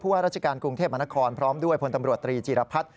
ว่าราชการกรุงเทพมนครพร้อมด้วยพลตำรวจตรีจีรพัฒน์